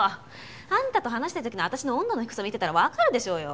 あんたと話してる時の私の温度の低さ見てたらわかるでしょうよ。